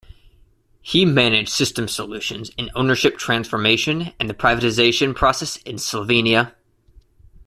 He managed system solutions in ownership transformation and the privatisation process in Slovenia.